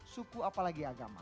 suku apalagi agama